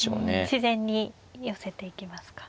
自然に寄せていきますか。